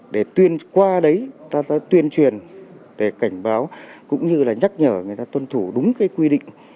để qua đấy ta ra tuyên truyền để cảnh báo cũng như là nhắc nhở người ta tuân thủ đúng cái quy định